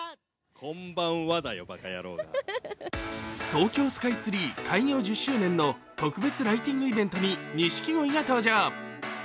東京スカイツリー開業１０周年の特別ライティングイベントに錦鯉が登場。